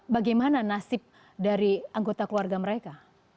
bagaimana nasib dari anggota keluarga mereka